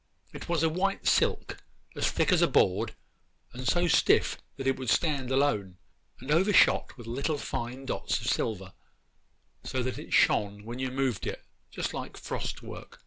It was a white silk, as thick as a board, and so stiff that it would stand alone, and overshot with little fine dots of silver, so that it shone when you moved it just like frost work.